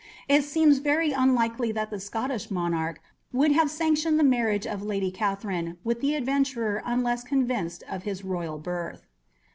It seems very unlikely that the Scottish monarch would have sanctioned the marriage of Lady Catherine with the adventurer unless convinced of his royal birth.